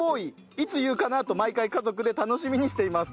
いつ言うかなと毎回家族で楽しみにしています。